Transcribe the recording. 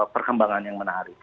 perkembangan yang menarik